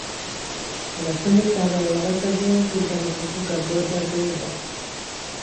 Abasomesa abalala basazeewo kudda mu kuvuga boodabooda.